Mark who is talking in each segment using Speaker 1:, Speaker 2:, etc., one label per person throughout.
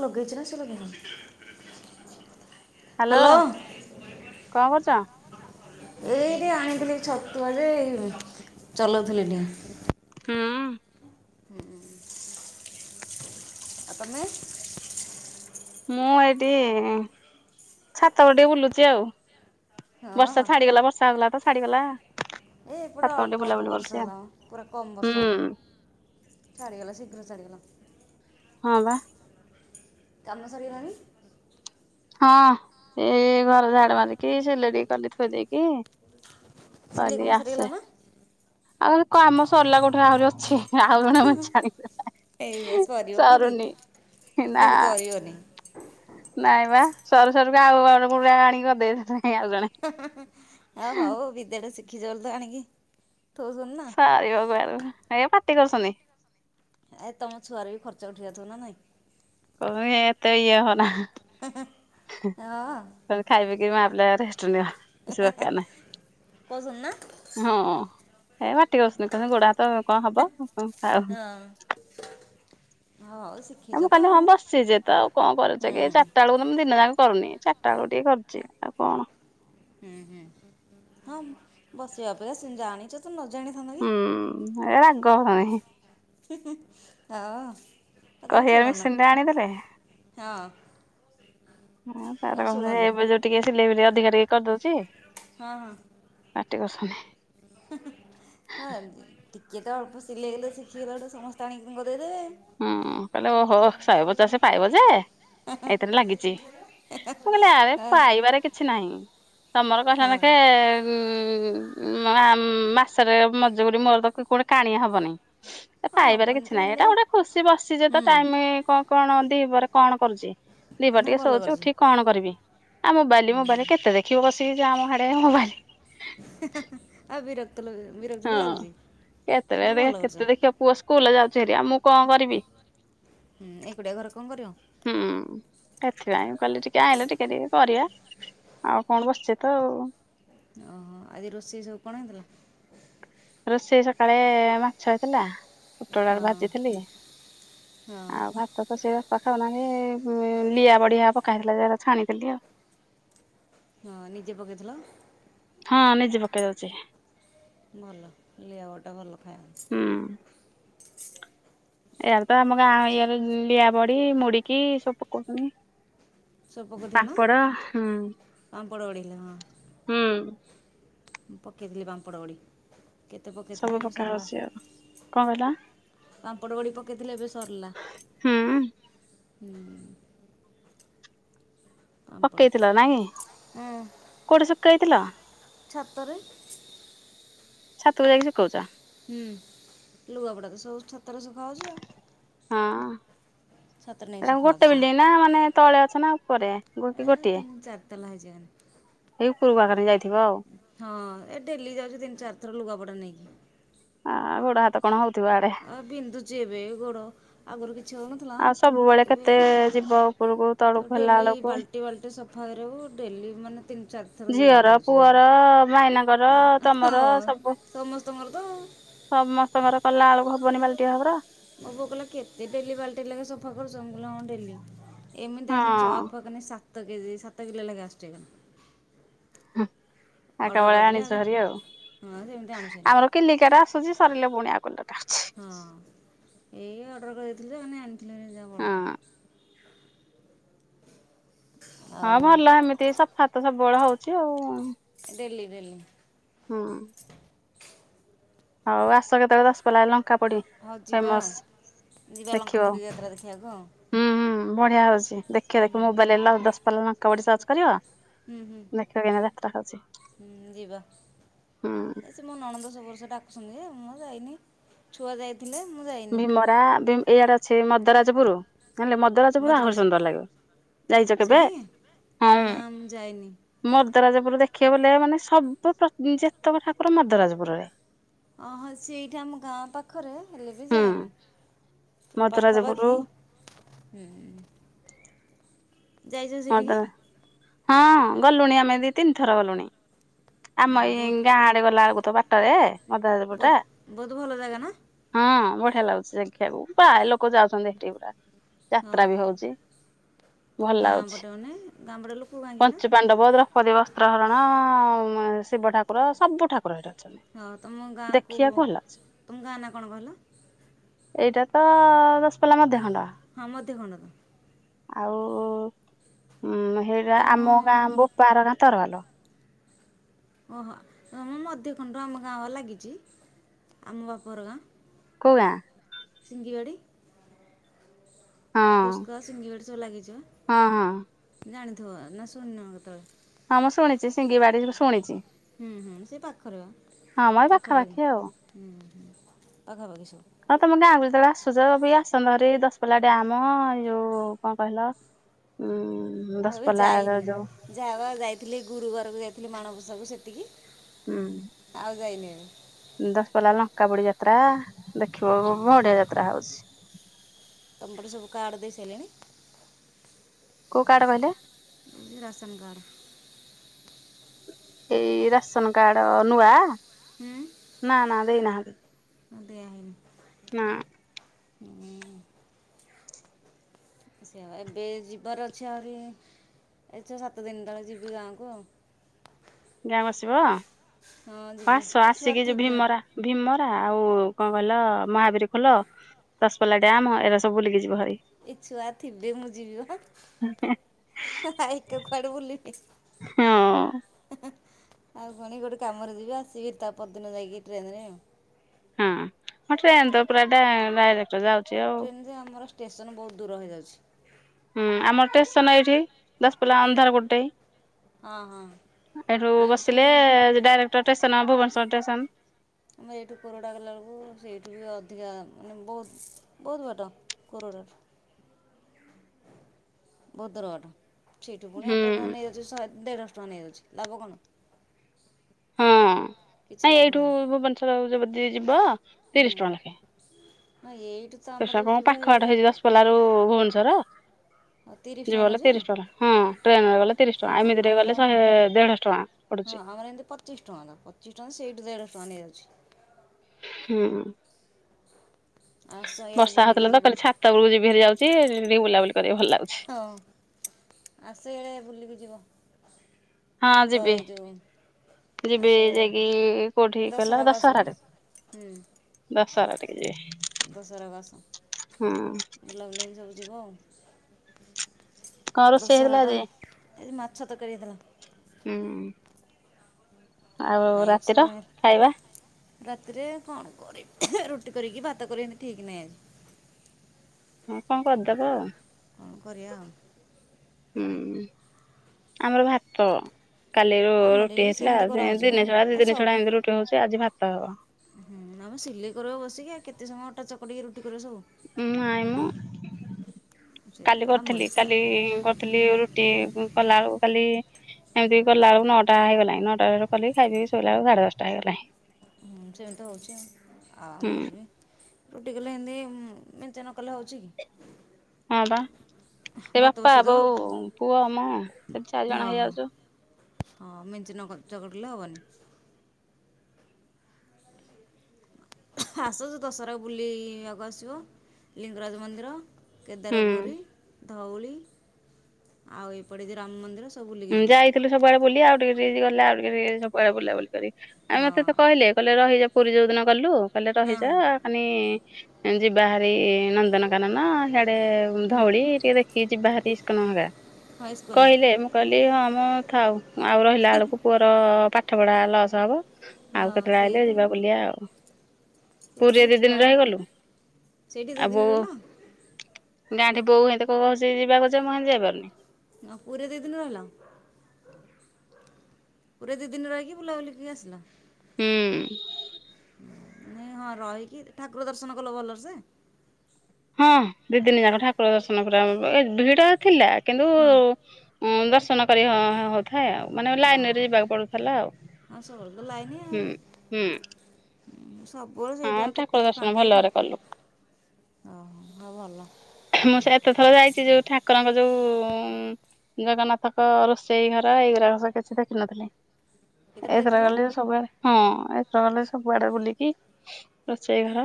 Speaker 1: [inaudible] ଲଗେଇଛି ନା ସେଲଗ
Speaker 2: ହ୍ୟାଲୋ କଣ କରୁଛ?
Speaker 1: ଏଇ ଟିକେ ଆଣିଥିଲି ଛତୁଆଜେ ଚଲାଉଥିଲି ଟିକେ
Speaker 2: ହୁଁ
Speaker 1: ହୁଁ ଆପଣମେ [inaudible]
Speaker 2: ମୁଁ ଏଇଠି ଛାତ ପ ଟିକେ ବୁଲୁଚି ଆଉ।
Speaker 1: ହଁ ହଁ
Speaker 2: ବର୍ଷା ଛାଡ଼ିଗଲା ବର୍ଷା ହଲା ତ ଛାଡ଼ିଗଲା।
Speaker 1: ଏ ଏପଟ ଅଳ୍ପ ଅଳ୍ପ ବର୍ଷା ହେଲା ମ ପୁରା କମ୍ ବର୍ଷା ହଏ।
Speaker 2: ହୁଁ।
Speaker 1: ଛାଡ଼ିଗଲା ଶିଘ୍ର ଛାଡ଼ିଗଲା।
Speaker 2: ହଁ ବା।
Speaker 1: କାମ ସରିଗଲାଣି?
Speaker 2: ହଁ ଏଇ ଘର ଝାଡ଼ ମାରିକି ସିଲେଇ ଟିଏ କଲି ଥୋଇ ଦେଇକି
Speaker 1: ସେଲେଇ
Speaker 2: କହିଲି
Speaker 1: କାମ
Speaker 2: ଆସେ
Speaker 1: ସରିଗଲା ନାଁ?
Speaker 2: ଆଉ ହେ କାମ ସରିଲା କୋଉଠେ ଆହୁରି ଅଛି। ଆଉ ଜଣେ ମଛା
Speaker 1: ଏଇ
Speaker 2: ଆଣିଦେଲାଇଁ
Speaker 1: ସରିବ କୋଉଠି
Speaker 2: ସରୁନି ନାଁ।
Speaker 1: ସରିବନି
Speaker 2: ନାଇଁ ବା ସରୁ ସରୁକା ଆଉ ଅଡ ଗୁଡ଼ା ଆଣିକି ଗଦେଇଦେଲେ।
Speaker 1: ଆଉ ହଉ ବିଦ୍ୟାଟା ଶିଖିଚ ବୋଲି ତ ଆଣିକି ଥୋଉଛନ୍ତି ନା
Speaker 2: ସାରିବା ପାଇଲନେ ଏଇ ପାଟି କରୁଛନ୍ତି।
Speaker 1: ଏ ତମ ଛୁଆର ବି ଖର୍ଚ୍ଚ ଉଠି ଯାଉଥୁବ ନାଁ ନାଇଁ?
Speaker 2: କବେ ଏ ଏତେ ଇଏ ହନା
Speaker 1: ହଁ
Speaker 2: କବେ ଖାଇବିକି ମାରଲେହାରି। ଚୁନିଆ କିଛି ଦରକାର ନାହିଁ
Speaker 1: କହୁଛନ୍ତି ନା
Speaker 2: ହଁ। ଏ ମାଟି ଅସନି କନେ ଗୋଡ଼ ହାତ କଁ ହବ ଅଁ ଖାଉ
Speaker 1: ହଁ ହଉ
Speaker 2: ଆ
Speaker 1: ଶିଖିଛ
Speaker 2: ମୁଁ
Speaker 1: ତ
Speaker 2: କାଲି
Speaker 1: ଆଉ
Speaker 2: ହଁ ବସିଚି ତ ଆଉ କଁ କରୁଚି କି
Speaker 1: ହୁଁ
Speaker 2: ଚାରିଟା ଅଳୁକୁ ତମ ଦିନ ଜା କରୁନି ଚାରିଟା ଅଳୁ ଟିକେ କରୁଚି ଆଉ କଣ?
Speaker 1: ହୁଁ ହୁଁ ହଁ ବସିବା ଅପେକ୍ଷା ସେ ଜାଣିଚ ତ ନ ଜାଣିଥାନ୍ତ କି ହଁ।
Speaker 2: ହୁଁ ଏ ରାଗ ହଣି
Speaker 1: ହଁ
Speaker 2: କହିଆରୁ ମିସିନ୍ ଟେ ଆଣିଦେଲେ।
Speaker 1: ହଁ
Speaker 2: ହଁ
Speaker 1: ତମେ
Speaker 2: ତାର ସେ
Speaker 1: ଶୁଣନି
Speaker 2: ଏବେ ଯୋଉ ଟିକେ ସିଲେଇ ଫିଲେଇ ଅଧିକା ଟିକେ କରିଦଉଚି
Speaker 1: ହଁ ହଁ।
Speaker 2: ଆଟି ବସୁନି।
Speaker 1: ହଁ ଟିକେ ତ ଅଳ୍ପ ସିଲେଇ ହେଲେ ଶିଖିଗଲାଠୁ ସମସ୍ତେ ଆଣିକି ଗଦେଇଦେବେ।
Speaker 2: ହୁଁ କହିଲେ ଓହୋ ଶହେ ପଚାସେ ପାଇବ ଯେ ଏଇଥିରେ ଲାଗିଚି। ମୁଁ କହିଲି ଆରେ ପାଇବାରେ କିଛି ନାହିଁ ତମର କହିଲା ନାଖେ ଉଁ ଉଁ ମା ମାସରେ ମଜୁରୀ ମୋର ପାଖୁରୁ କୋଉଟା କାଣିଆ ହବନେଇ। ଏ
Speaker 1: ହଁ
Speaker 2: ପାଇବାରେ
Speaker 1: ହବନି
Speaker 2: କିଛି
Speaker 1: ଯେ
Speaker 2: ନାହିଁ
Speaker 1: ହେଲେ
Speaker 2: ଏଟା ଗୋଟେ ଖୁସି ବସିଚି
Speaker 1: ହୁଁ
Speaker 2: ତ ଟାଇମ୍ କ କଣ ଦିିପହରେ କଣ କରୁଚି ଦିପହରେ
Speaker 1: ନାଇଁ
Speaker 2: ଟିକେ
Speaker 1: ଭଲ
Speaker 2: ଶୋଉଚି
Speaker 1: କରିଛୁ।
Speaker 2: ଉଠିକି କଣ କରିବି ଆ ମୋବାଇଲି ମୋବାଇଲ୍ କେତେ ଦେଖିବ ବସ୍ ତି ଯା ମ ହାଡ଼େ ମୋବାଇଲ୍
Speaker 1: ଆଉ ବିରକ୍ତ ବିରକ୍ତ
Speaker 2: ହଁ
Speaker 1: ବି ଲାଗୁଛି
Speaker 2: କେତେବେ
Speaker 1: ନା
Speaker 2: ଦେ
Speaker 1: ଭଲ କରିଛ।
Speaker 2: ଦେଖିବ ପୁଅ ସ୍କୁଲ୍ ଯାଉ ଚି ହାରି‌ ଆ ମୁଁ କଁ କରିବି?
Speaker 1: ହୁଁ ଏକୁଟଆ ଘରେ କଁ କରିବ?
Speaker 2: ହୁଁ। ଏଥିପାଇଁ କହିଲି ଟିକେ ଆଇଁଲେ ଟିକେ ଟିକେ କରିବା ଆଉ କଣ ବସିଚି ତ ଆଉ।
Speaker 1: ଓହୋ ଆଜି ରୋଷେଇ ସବୁ କଣ ହେଇଥିଲା?
Speaker 2: ରୋଷେଇ ସକାଳେ ମାଛ ହେଇଥିଲା। ପୁଟଳ
Speaker 1: ହଁ
Speaker 2: ଆଳୁ ଭାଜିଥିଲି
Speaker 1: ହଁ
Speaker 2: ଆଉ ଭାତ ତ ସେ ପାସ ନାହିଁ ବି ଲିଆ ବଢ଼ି‌‌ଆ ପକାହେଇଥିଲା ଯା ଏରା ଛାଣିଥିଲି ଆଉ।
Speaker 1: ହଁ ନିଜେ ପକେଇଥିଲ?
Speaker 2: ହଁ ନିଜେ ପକେଇଦୋଉଚି।
Speaker 1: ଭଲ ଲିଆ ବଟା ଭଲ ଫାଇନ।
Speaker 2: ଏଆଡ଼େ ତ ଆମ ଗାଁ ଏଆରେ ଲିଆ ବଢ଼ି ମୁଡି଼କି ସବୁ ପକଉଚନି।
Speaker 1: ସବୁ ପକଉଥିବେ ନା
Speaker 2: ପାମ୍ପଡ଼ ହୁଁ
Speaker 1: ପାମ୍ପଡ଼ ବଢ଼ିଲେ ହଁ।
Speaker 2: ହୁଁ।
Speaker 1: ପକେଇଥିଲି ପାମ୍ପଡ଼ ବଡ଼ି କେତେ ପକାଇଥିଲେ ଏବେ ସରଲା।
Speaker 2: କଁ କହିଲ?
Speaker 1: ପାମ୍ପଡ଼ ବଡ଼ି ପକେଇଥିଲେ ଏବେ ସରିଲା
Speaker 2: ହୁଁ
Speaker 1: ହୁଁ।
Speaker 2: ପକେଇଥିଲ ନାଇଁ
Speaker 1: ହଁ
Speaker 2: କୋଉଠି ଶୁକେଇଥିଲ?
Speaker 1: ଛାତରେ।
Speaker 2: ଛାତକୁ ଯାଇକି ସ
Speaker 1: ହୁଁ ଲୁଗପଟା ତ ସବୁ ଛାତରେ ଶୁଖା ହଉଚି ଆଉ।
Speaker 2: ହଁ
Speaker 1: ଛାତରେ ନେଇ
Speaker 2: ଏଟା
Speaker 1: ଶୁଖା
Speaker 2: ଗୋଟେ
Speaker 1: ହଉଚି
Speaker 2: ବିଲଡିଂ ନା
Speaker 1: ସବୁ
Speaker 2: ମାନେ ତଳେ ଅଛ ନା ଉପରେ ଗୋ- କି
Speaker 1: ଏ
Speaker 2: ଗୋଟିଏ
Speaker 1: ତିନି ଚାରି ତାଲା
Speaker 2: ଏଇ ଉପରକୁ ଆଗରେ ଯାଇଥିବ ଆଉ
Speaker 1: ହେଇଯାଆନି। ହଁ ଏ ଡେଲି ଯାଉଚି ତିନ ଚାର ଥର ଲୁଗା ପଟା ନେଇ
Speaker 2: ଆଉ ଗୋଡ଼ ହାତ କଣ ହ
Speaker 1: ଆ ବିନ୍ଧୁଚି ଏବେ ଗୋଡ଼ ଆଗୁରୁ କି ଛି ହଉନଥୁଲା
Speaker 2: ଆଉ ସବୁବେଳେ
Speaker 1: ଏବେ
Speaker 2: କେତେ ଯିବ ଉପରକୁ
Speaker 1: ତ
Speaker 2: ତଳକୁ ହେଲା
Speaker 1: ଡେଲି
Speaker 2: ବେଳକୁ
Speaker 1: ବାଲ୍ଟି ବାଲ୍ଟି ସଫା ଅରିବୁ ଡେଲି ମାନେ ତିନି ଚାରି ଥର
Speaker 2: ଝିଅର
Speaker 1: ଯିବାକୁ ପଡୁଚି
Speaker 2: ପୁଅର ଭାଇନାଙ୍କର
Speaker 1: ଯାହେଲେ
Speaker 2: ତମର
Speaker 1: ହଁ
Speaker 2: ସବୁ
Speaker 1: ସ ମସ୍ତଙ୍କର ତ।
Speaker 2: ସମସ୍ତଙ୍କର କଲା ଅଳୁକୁ ହବନି ବାଲ୍ଟିଏ ହା ବୁରା।
Speaker 1: ଏଲାଗେ ସଫା କରୁଚ ମୁଁ କହିଲି ହଁ ଡେଲି ଏମିତି ଆସିନେ
Speaker 2: ହଁ
Speaker 1: ସର୍ଫ ଦେନେ ସା ତ କେଜି ସାତ କିିଲୋ ଲେଖା ଆଷ୍ଟିଗ
Speaker 2: ଆକାବେଳେ ଆଣିଚ ହାରି ଆଉ।
Speaker 1: ହଁ ସେମିତି ଆଣୁସାରି
Speaker 2: ଆମର କିଲିକିଆଟା ଆସୁଚି ସରିଲେ ବପୁଣି ଆଉ କିଲ
Speaker 1: ହଁ ଏଇ ଅର୍ଡ଼ର କରେଇଥିଲୁ ଯେ ଜଣେ ଆଣିଥିଲେ ଯା ବଡ଼ଟେ।
Speaker 2: ହଁ ହଁ
Speaker 1: ଆଉ
Speaker 2: ଭଲ ଏମିତି ସଫା ତ ସବୁବେଳେ ହଉଚି ଆଉ।
Speaker 1: Daily daily.
Speaker 2: ହୁଁ। ହଉ ଆସ କେତୋଳେ ଦଶପଲ୍ଲା ହେଲା।
Speaker 1: ହଁ ଯିବା ଯିବା ଲଙ୍କା ପୋଡ଼ି ଯାତ୍ରା ଦେଖିବାକୁ ଆଉ।
Speaker 2: ବଢ଼ିଆ ହଉଚି ଦେଖେ ଦେଖି ମୋବାଇଲ୍ ହେଲା ଉ ଦଶପଲ୍ଲା ଲଙ୍କା ପୋଡ଼ି ସର୍ଚ୍ଚ କରିବ
Speaker 1: ହୁଁ ହୁଁ
Speaker 2: ଦେଖିବ କେନ୍ତି ଯାତ୍ରା। ହଉଛି
Speaker 1: ହୁଁ ଯିବା
Speaker 2: ହୁଁ
Speaker 1: ଏ ସେ ମୋ ନଣନ୍ଦ ସବୁ ବର୍ଷ ଡା ହନିଏ ମୁଁ ଯାଇନି ଛୁଆ ଯାଇ
Speaker 2: ଭୀମରା ବି ଏଇଆଡ଼େ ଅଛି ମଦରାଜପୁର। ନଲେ ମଦରାଜପୁର ଆହୁରି
Speaker 1: ମଦ୍ରାସ
Speaker 2: ସୁନ୍ଦର ଲାଗିବ। ଯାଇଚ କେବେ? ହଁ।
Speaker 1: ଏନି।
Speaker 2: ମଦରାଜପୁର ଦେଖିବାକୁ ଗଲେ ମାନେ ସବୁ ଯେତକ ଠାକୁର ମଦରାଜପୁରରେ।
Speaker 1: ଅ ହ ସେଇଠି ଆମ ଗାଁ ପାଖରେ ହେଲେ ବି
Speaker 2: ହୁଁ।
Speaker 1: ଯାଇନି। ପୁରା
Speaker 2: ମଦରାଜପୁର
Speaker 1: ପାଖାପାଖି ହୁଁ। ଯାଇଚ
Speaker 2: ମଦରା
Speaker 1: ସେଇଠିକି?
Speaker 2: ହଁ ଗଲୁଣି ଆମେ ଦି ତିନିଥର ଗଲୁଣି
Speaker 1: ହଁ
Speaker 2: ଆମ ଏଇ
Speaker 1: ବହୁତ
Speaker 2: ଗାଁ ଆଡ଼େ ଗଲା ଅଳୁକୁ ତ ବା ଟରେ ମଦରାଜପୁରଟା
Speaker 1: ବହୁତ ବହୁତ ଭଲ ଜାଗା ନା
Speaker 2: ହଁ ମଡ଼େ ହିଆ ଲାଗୁଚି ଦେଖିଆକୁ ବାଏ ଲୋକ ଯାଉଚନ୍ତି ହେଠି ପୁରା।
Speaker 1: ହଁ
Speaker 2: ଯାତ୍ରା ବି
Speaker 1: ହଁ।
Speaker 2: ହଉଚି
Speaker 1: ତୁମ
Speaker 2: ଭଲ ଲା
Speaker 1: ଗାଁ ପଟେ ମାନେ ଗାଁ ପଟେ ଲୋକ କାହିଁକି ନା
Speaker 2: ପଞ୍ଚୁ ପାଣ୍ଡବ ଦ୍ରୌପଦୀ ବସ୍ତ୍ର ହରଣ ହଁ ଶିବ ଠାକୁର ସବୁ ଠାକୁର ହେଠେ।
Speaker 1: ହଁ ତମ ଗାଁକୁ ତମ ଗାଁ ନାଁ କଣ କହିଲ।
Speaker 2: ଏଇଟା ତ ଦଶପଲ୍ଲା ମଧ୍ୟଖଣ୍ଡ।
Speaker 1: ହଁ ମଧ୍ୟଖଣ୍ଡ ନାଁ?
Speaker 2: ଆଉ ଉଁ ହେଇଟା
Speaker 1: ତମ
Speaker 2: ଆମ ଗାଁ ବୋ ପାରଗାଁ ତରୁଆଲ।
Speaker 1: ଓହୋ ତମ ମଧ୍ୟଖଣ୍ଡ ଆମ ଗାଁ ବା ଲାଗିଚି ଆମ ବାପଘର ଗାଁ।
Speaker 2: କୋଉ ଗାଁ?
Speaker 1: ସିଙ୍ଗିଆଡ଼ି।
Speaker 2: ହଁ
Speaker 1: କୁସ୍କା ସିଙ୍ଗିଆଡ଼ି ସବୁ ଲାଗିଚି ବା
Speaker 2: ହଁ ହଁ
Speaker 1: ଜାଣିଥିବ ନାଁ ଶୁଣିନ କେତୋଳେ?
Speaker 2: ହଁ ମୁଁ ଶୁଣିଚି ସିଙ୍ଗିବାଡି଼ ଶୁଣିଚି।
Speaker 1: ହୁଁ ହୁଁ ସେଇ ପାଖରେ ବା
Speaker 2: ମ ଏଇ
Speaker 1: ପାଖାପାଖି
Speaker 2: ଆଉ
Speaker 1: ହୁଁ ହୁଁ ପାଖାପାଖି ସବୁ।
Speaker 2: ହଁ ତମ ଗାଁକୁ ଯେତେବେଳେ ଆସୁଛ ବି ଆସୁନ ହେରି ଦଶପଲ୍ଲା ଡ୍ୟାମ ଅ ଯୋଉ କଣ କହିଲ ଉଁ
Speaker 1: ମୁଁ ଏବେ
Speaker 2: ଦଶପଲ୍ଲା ର
Speaker 1: ଯାଇନି
Speaker 2: ଯୋଉ
Speaker 1: ଯାହା ଯାଇଥିଲି ଗୁରୁବାର କୁ ଯାଇଥିଲି ମାଣବସାକୁ ସେତିକି
Speaker 2: ଉଁ
Speaker 1: ଆଉ ଯାଇନି ଏବେ।
Speaker 2: ଦଶପଲ୍ଲା ଲଙ୍କା ପୁଡି ଯାତ୍ରା ଦେଖିବ ବଢ଼ିଆ ଯାତ୍ରା ହଉଛି।
Speaker 1: ତମପଟେ ସବୁ କାର୍ଡ ଦେଇ ସାରିଲେଣି।
Speaker 2: କୋଉ କାର୍ଡ କହିଲ।
Speaker 1: ଏ ଯୋଉ ରାସନ୍ କାର୍ଡ।
Speaker 2: ଏଇ ରାସନ କାର୍ଡ ନୂଆ ନା ନା ଦେଇନାହାନ୍ତି।
Speaker 1: ଦିଆ ହେଇନି।
Speaker 2: ନା।
Speaker 1: ହୁଁଉ। ସେ ଏବେ ଯିବାର ଅଛି ଆହୁରି ଏ ଛଅ ସାତ ଦିନ ତଳେ ଯିବି ଗାଁକୁ ଆଉ।
Speaker 2: ଗାଁକୁ ଆସିବ ହଁ
Speaker 1: ଯିବି
Speaker 2: ଆସ
Speaker 1: ଏ ଛୁଆ
Speaker 2: ଆସିକି ଯଦି
Speaker 1: ଥିବେ
Speaker 2: ଭୀମ ମରା ପାଞ୍ଚଶହ ଆଶ କେ ଯୋ ଭୀମରା ଭୀମ ଆଉ କଣ କହିଲ ମହାବୀର ଖୋଲ ଦସପଲା ଡ୍ୟାମ ଏରା ସବୁ ବୁଲିକି ଯିବ ହେରି।
Speaker 1: ଏଛୁଆ ଥିବେ ମୁଁ ଯିବି ବା ହେଁ ହେଁ ଏକା କୁଆଡ଼େ ବୁଲିବି।
Speaker 2: ହଁ
Speaker 1: ଆଉ କଣ ଗୋଟେ କାମରେ ଯିବି ଆସିବି ତା ପର ଦିନ ଯାଇକି ଟ୍ରେନ ରେଉ
Speaker 2: ହଁ ମୁଁ ଟ୍ରେନ୍ ତ ପୁରା ଡାଇରେକ୍ଟ ଯାଉଛି ଆଉ
Speaker 1: ଟ୍ରେନ୍ ଯେ ଆମର ଷ୍ଟେସନ ବହୁତ ଦୂର ହେଇ ଯାଉଛି।
Speaker 2: ହୁଁ ଆମର ଷ୍ଟେସନ୍ ଏଇଠି ଦଶପଲ୍ଲା ଅନ୍ଧାର ଗୋଟେ।
Speaker 1: ହଁ ହଁ।
Speaker 2: ଏଇଠୁ ବସିଲେ ଡାଇରେକ୍ଟର ଷ୍ଟେସନ ଭୁବନେଶ୍ୱର ଷ୍ଟେସନ।
Speaker 1: ଆମର ଏଇଠୁ କୋରଡା ଗଲା ବେଳକୁ ସେଇଠୁ ବି ଅଧିକା ମାନେ ବହୁତ ବହୁତ ବାଟ କୋରଡାଠୁ। ହୁଁ ଭଦ୍ରକଠୁ ସେଇଠୁ ପୁଣି
Speaker 2: ହୁଁ
Speaker 1: ଅଟୋ କଣ ନେଇଯାଉଛି ଶହେ ଦେଢଶହ ଟଙ୍କା ନେଇଯାଉଛି ଲଭ କଣ?
Speaker 2: ହଁ
Speaker 1: କିଛି
Speaker 2: ନାଇଁ
Speaker 1: ଲାଭ
Speaker 2: ଏଇଠୁ
Speaker 1: ନାହିଁ।
Speaker 2: ଭୁବନେଶ୍ଵର ଯଦି ଯିବ ତିରିଶ ଟଙ୍କା ଲେଖେ।
Speaker 1: ମ ଏଇ
Speaker 2: ସେଟା କଣ ପାଖ ବାଟ ହେଇଛି ଦଶପଲ୍ଲା ରୁ ଭୁବନେଶ୍ୱର।
Speaker 1: ତିରିଶ
Speaker 2: ଯିବ
Speaker 1: ଟଙ୍କା
Speaker 2: ଗଲେ
Speaker 1: ନେଉଛି।
Speaker 2: ତିରିଶ ଟଙ୍କା ହଁ ଟ୍ରେନରେ ଗଲେ ତିରିଶ ଟଙ୍କା
Speaker 1: ହଁ
Speaker 2: ଏମିତି ରେ
Speaker 1: ଆମର
Speaker 2: ଗଲେ ଶହେ ଦେଢଶହ ଟଙ୍କା।
Speaker 1: ହଁ
Speaker 2: ପଡୁଛି
Speaker 1: ଆମର ଏମିତି ପଚିଶ ଟଙ୍କା ଦ ପଚିଶ ଟଙ୍କା ସେଇଠୁ ଦେଢ ଟଙ୍କା ନେଇଯାଉଛି।
Speaker 2: ହୁ
Speaker 1: ଆସ ଇଆଡ଼େ
Speaker 2: ବର୍ଷା
Speaker 1: ବୁଲିକି
Speaker 2: ହଉଥିଲା ତ
Speaker 1: ଯିବ।
Speaker 2: କହିଲି ଛାତ ବେଳକୁ ଯିବି ହେରି ଯାଉଛି ରି ବୁଲାବୁଲି କରିବାକୁ ଭଲ ଲାଗୁଛି।
Speaker 1: ହଁ ଅସେଲେ ବୁଲିକି ଯିବ।
Speaker 2: ହଁ ଯିବି
Speaker 1: ଦରେଇ ଦୁମି।
Speaker 2: ଯିବି ଯାଇକି କୋଉଠି କହିଲ
Speaker 1: ଦଶହରାକୁ ଆସିବ।
Speaker 2: ଦଶହରାରେ ଦଶହରାରେ।
Speaker 1: ଦଶହରା କୁ ଆସ
Speaker 2: ହୁଁ
Speaker 1: ବଲା ବୁଲି ହେଇକି ସବୁ ଯିବ ଆଉ।
Speaker 2: କଣ ରୋଷେଇ ହେଇଥିଲା ଆଜି?
Speaker 1: ଛତୁ ତରକାରି ହେଇଥିଲା।
Speaker 2: ହୁଁ। ଆଉ
Speaker 1: ଆଇଁଷ
Speaker 2: ରାତିର ଖାଇବା?
Speaker 1: ରାତିରେ କଣ କରିବି ରୁଟି କରିକି ଭାତ କରିବି ଏମିତି ଠିକ ନାହିଁ ଆଜି?
Speaker 2: ହଁ କଣ କରିଦବ ଆଉ?
Speaker 1: କଣ କରିବା ଆଉ।
Speaker 2: ହୁଁ ଆମର ଭାତ କାଲି ର
Speaker 1: ଆମର
Speaker 2: ରୁଟି
Speaker 1: ବି
Speaker 2: ହେଇଥିଲା
Speaker 1: ସେମିତି କରାହେଉଛି ମ
Speaker 2: ଦିନେ ଛଡା ଦି
Speaker 1: ଆଉ
Speaker 2: ଦିନି
Speaker 1: ସବୁ
Speaker 2: ଛଡା ଏମିତି ରୁଟି ହଉଛି ଆଜି ଭାତ ହବ।
Speaker 1: ହୁଁ ଆମ ସିଲେଇ କର ବସିକି କେତେ ସମୟ ଅଟା ଚକଟିକି ରୁଟି କରିବ ସବୁ।
Speaker 2: ହୁଁ ନାଇମ।
Speaker 1: ସେ
Speaker 2: କାଲି
Speaker 1: ଆମର ବି
Speaker 2: କରିଥିଲି
Speaker 1: ପ୍ରାୟ
Speaker 2: କାଲି କରିଥିଲି ରୁଟି କଲାଲୁ କାଲି ଏମିତି କଲା ଏଳେକୁ ନଅଟା ହେଇଗଲାଣି ନଅଟା କଲି ଖାଇ ପି ଶୋଇଲା ବେକୁ ସାଢେ ଦଶଟା ହେଇଗଲାଣି
Speaker 1: ହୁଁ ସେମିତି ହଉଚି ଆଉ
Speaker 2: ହୁଁ।
Speaker 1: ଆମର ବି। ରୁଟି କଲେ ହେନ୍ତି ଉଁ ମେଞ୍ଚେ ନ କଲେ ହଉଚି କି?
Speaker 2: ହଁ ପା। ଏ
Speaker 1: ଭାତ
Speaker 2: ବାପା,
Speaker 1: ବସେଇଦେବ
Speaker 2: ବୋଉ, ପୁଅ, ମା ସେଠି
Speaker 1: ହଁ
Speaker 2: ଚାରିଜଣ
Speaker 1: ହଁ
Speaker 2: ହେଇଯାଉଚୁ।
Speaker 1: ହଁ ମେଞ୍ଚେ ନକ୍ ଚକଟିଲେ ହବନି। ଆସୁଚୁ ଦଶରାକୁ ବୁଲିଆକୁ ଆସିବ ଲିଙ୍ଗରାଜ ମନ୍ଦିର। କେଦାରଗୌରୀ, ଧଉଳି ଆଉ ଏପଟେ ଯୋଉ ରାମ ମନ୍ଦିର ସ
Speaker 2: ଉଁ ଯାଇଥିଲୁ ସବୁବେଳେ ଆଡ଼େ ବୁଲି ଆଉ ଟିକେ ଟିକେ ଗଲେ ଆଉ ରି କେତେ ସବୁ ଆଡେ ବୁଲାବୁଲି କରି ଏ
Speaker 1: ହଁ
Speaker 2: ମତେ ତ କହିଲେ କହିଲେ ରହିଯା ପୁରୀ ଯୋଉଦିନ ଗଲୁ କହିଲେ
Speaker 1: ହଁ
Speaker 2: ରହିଯା।
Speaker 1: ହଁ
Speaker 2: ଏଖାନି ଯିବାହାରି ନନ୍ଦନକାନନ ସିଆଡେ ଧଉଳି ଟିକେ ଦେଖିକି ଯିବାହାରି ଇସ୍କନ ହେକା।
Speaker 1: ଫାଇସ୍ କୁନୁ
Speaker 2: ଲେ ଆମ ଥାଉ ଆଉ ରହିଲା ବେଳକୁ ପୁଅର ପାଠପଢ଼ା ଲସ୍ ହବ। ଆଉ
Speaker 1: ହଁ
Speaker 2: କେତେବେଳେ
Speaker 1: ସେଇ
Speaker 2: ଆଇଲେ
Speaker 1: ତ
Speaker 2: ଯିବା ବୁଲିବା ଆଉ।
Speaker 1: ସେଇ ତ
Speaker 2: ପୁରୀ ରେ ଦି ଦିନ
Speaker 1: ଛୁଆ
Speaker 2: ରହିଗଲୁ।
Speaker 1: ସେଇଠି ଦୁଇ
Speaker 2: ଆଉ
Speaker 1: ଦିନ
Speaker 2: ବୋଉ
Speaker 1: ରହିଲ
Speaker 2: ଗାଁ ଠି ବୋଉ ହେନ୍ତି କ କହୁଚି ଯିବାକୁ ଯେ ମୁଁ ହେଁନ୍ତି ଯାଇ ପାରୁନି।
Speaker 1: ଆଉ ପୁରୀ ଦି ଦିନ ରହିଲ? ପୁରୀରେ ଦି ଦିନ ରହିକି ବୁଲାବୁଲିି କରି ଆସିଲ।
Speaker 2: ହୁଁ।
Speaker 1: ନାଇଁ ହଁ ରହିକି ଠାକୁର ଦର୍ଶନ କଲ। ଭଲର ସେ?
Speaker 2: ହଁ ଦି ଦିନ ଯାକ ଠାକୁର ଦର୍ଶନ ପୁରା ଏ ଭିଡ ଥିଲା। କିନ୍ତୁ
Speaker 1: ହଁ
Speaker 2: ଉଁ ଦର୍ଶନ କରି ହ ହଉଥ ହେ ଆଉ ମାନେ
Speaker 1: ହଁ ହଁ
Speaker 2: ଲାଇନରେ ଯିବାକୁ ପଡୁଥିଲା ଆଉ।
Speaker 1: ହଁ ସବୁବେଳେ ତ ଲାଇନି ଆଉ
Speaker 2: ହୁଁ ହୁଁ।
Speaker 1: ମୁଁ ସବୁବେଳେ ସେଇଟା
Speaker 2: ହଁ
Speaker 1: ଆଉ
Speaker 2: ଠାକୁର
Speaker 1: କେତେବେଳେ
Speaker 2: ଦର୍ଶନ
Speaker 1: ଫାଙ୍କା କି।
Speaker 2: ଭଲରେ କଲୁ
Speaker 1: ଓହୋ ହଉ ଭଲ।
Speaker 2: ମୁଁ ସେ ଏତେଥର ଯାଇଚି ଯୋଉ ଠାକୁରଙ୍କ ଯୋଉ ଉଁ ଜଗନ୍ନାଥଙ୍କ ରୋଷେଇ ଘର ଏଇଗୁରାକ ସ କିଛି ଦେଖିନଥିଲି।
Speaker 1: ଏଥର
Speaker 2: ଏଇଥର
Speaker 1: ଦେଖିଲ
Speaker 2: ଗଲି ସବୁଆଡେ। ହଁ ଏଥର ଗଲେ ସବୁଆଡେ ବୁଲିକି ରୋଷେଇ ଘର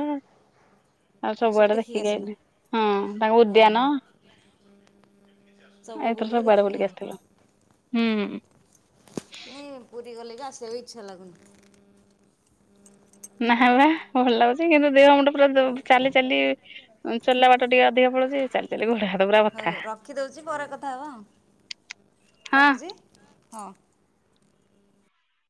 Speaker 2: ଆଉ ସବୁଆଡେ ଦେଖିକି ଆଇଲି। ତାଙ୍କ ଉଦ୍ୟାନ ଏଥର ସବୁ ଆଡେ ବୁଲିକି ଆସିଥିଲୁ। ହୁଁ।
Speaker 1: ନାଇଁ ପୁରୀ ଗଲେ ବି ଆସିଆକୁ ଇଚ୍ଛା ଲାଗୁନି।
Speaker 2: ନା ବା ଭଲ ଲାଗୁଚ୍ କିନ୍ତୁ ଦେହ ମୁଣ୍ଡ ପୁରା ଦ ଚାଲି ଚାଲି ଉଁ ଚଲା ବାଟ ଟିକେ ଅଧିକ ପଳୁଚି। ଚାଲି ଚାଲି ଗୋଡ ହାତ୍
Speaker 1: ହଉ ରଖିଦଉଚି ପରେ କଥା ହବା ଆଉ।
Speaker 2: ହଁ।
Speaker 1: ରଖୁଚି? ହଁ।